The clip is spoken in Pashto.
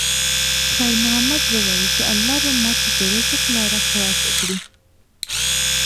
خیر محمد وویل چې الله به ماته د رزق لاره خلاصه کړي.